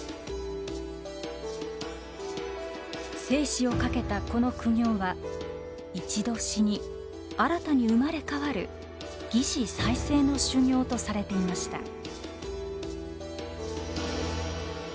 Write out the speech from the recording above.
生死を懸けたこの苦行は一度死に新たに生まれ変わる「擬死再生の修行」とされていました。